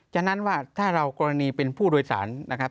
ฉะนั้นว่าถ้าเรากรณีเป็นผู้โดยสารนะครับ